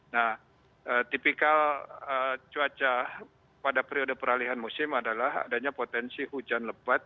nah tipikal cuaca pada periode peralihan musim adalah adanya potensi hujan lebat